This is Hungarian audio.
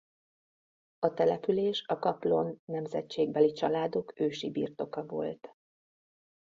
A település a Kaplon nemzetségbeli családok ősi birtoka volt.